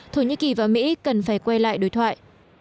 thổ nhĩ kỳ và mỹ cần phải quay lại đối thoại